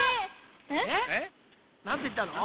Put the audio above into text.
えっ？なんていったの？